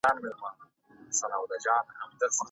ایا واړه پلورونکي وچ زردالو پلوري؟